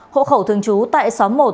hộ khẩu thường trú tại xóm một